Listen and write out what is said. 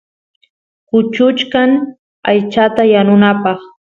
kuchuchkan aychata yanunapaq